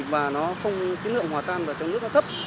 và nó không cái lượng hòa tan vào trong nước nó thấp